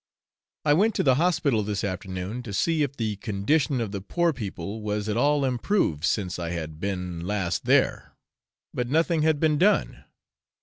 I went to the hospital this afternoon, to see if the condition of the poor people was at all improved since I had been last there; but nothing had been done.